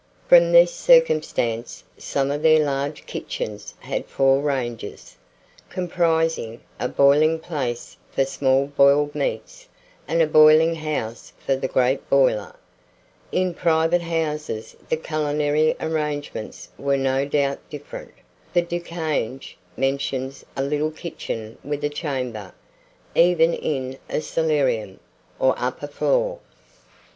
From this circumstance, some of their large kitchens had four ranges, comprising a boiling place for small boiled meats, and a boiling house for the great boiler. In private houses the culinary arrangements were no doubt different; for Du Cange mentions a little kitchen with a chamber, even in a solarium, or upper floor. 63.